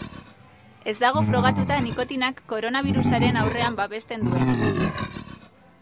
Ez dago frogatuta nikotinak koronabirusaren aurrean babesten duenik.